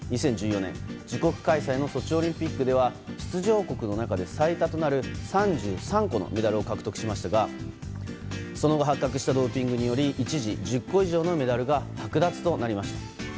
２０１４年自国開催のソチオリンピックでは出場国の中で最多となる３３個のメダルを獲得しましたがその後発覚したドーピングにより一時１０個以上のメダルがはく奪となりました。